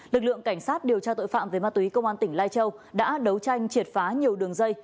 lực lượng cảnh sát điều tra tội phạm về ma túy công an tỉnh lai châu đã đấu tranh triệt phá nhiều đường dây